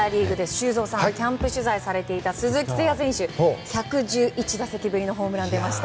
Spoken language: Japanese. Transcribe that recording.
修造さんキャンプ取材されていた鈴木誠也選手１１１打席ぶりのホームランが出ました。